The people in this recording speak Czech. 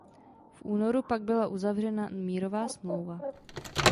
V únoru pak byla uzavřena mírová smlouva.